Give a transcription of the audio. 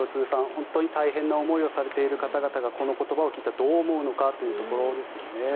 本当に大変な思いをされている方々がこの言葉を聞いてどう思うのかというところですよね。